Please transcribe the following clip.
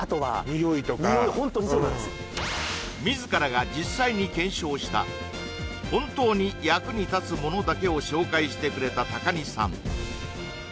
ニオイホントにそうなんです自らが実際に検証した本当に役に立つものだけを紹介してくれた高荷さん